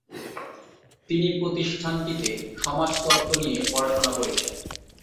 তিনি প্রতিষ্ঠানটিতে সমাজতত্ত্ব নিয়ে পড়াশোনা করেছেন।